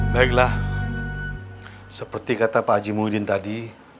baiklah seperti kata pak haji muhyiddin tadi